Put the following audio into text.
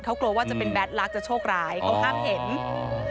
เขากลัวว่าจะเป็นแบทลักษ์จะโชคร้ายเขาห้ามเห็นอืม